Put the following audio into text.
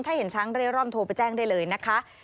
ถ้าเห็นช้างเร่ร่อนโทรไปแจ้งได้เลยนะคะ